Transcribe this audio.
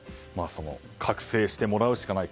覚醒してもらうしかない。